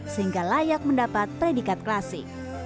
sehingga layak mendapat predikat klasik